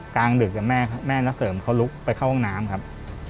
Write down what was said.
กลางดึกแม่นักเสริมเขาลุกไปเข้าห้องน้ำครับ